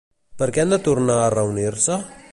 Per què han de tornar a reunir-se?